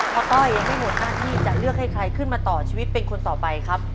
ต้อยยังไม่หมดหน้าที่จะเลือกให้ใครขึ้นมาต่อชีวิตเป็นคนต่อไปครับ